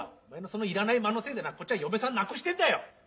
お前のそのいらない間のせいでなこっちは嫁さん亡くしてんだよ。